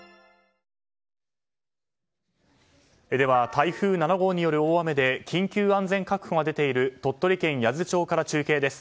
台風７号による大雨で緊急安全確保が出ている鳥取県八頭町から中継です。